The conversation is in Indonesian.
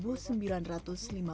salah satunya berada di desa ketanda